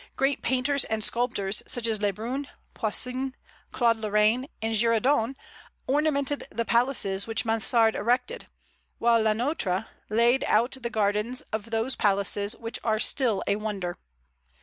Great painters and sculptors, such as Le Brun, Poussin, Claude Lorrain, and Girardon, ornamented the palaces which Mansard erected; while Le Nôtre laid out the gardens of those palaces which are still a wonder.